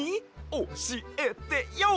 おしえてＹＯ！